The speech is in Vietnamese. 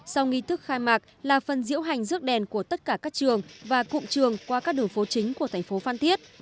sau nghi thức khai mạc là phần diễu hành rước đèn của tất cả các trường và cụm trường qua các đường phố chính của thành phố phan thiết